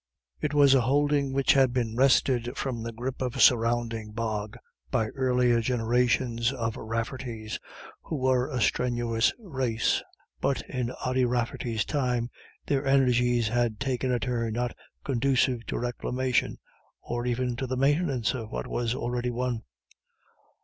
It was a holding which had been wrested from the grip of a surrounding bog by earlier generations of Raffertys, who were a strenuous race; but in Ody's father's time their energies had taken a turn not conducive to reclamation, or even to the maintenance of what was already won.